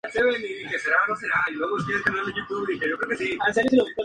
Por la noche, Homer llega de trabajar, deprimido y hecho un asco.